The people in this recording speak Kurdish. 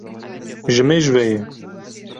Ji mêj ve ye.